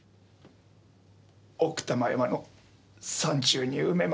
奥多摩山の山中に埋めました。